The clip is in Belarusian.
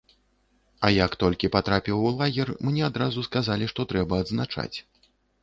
А як толькі патрапіў у лагер, мне адразу сказалі, што трэба адзначаць.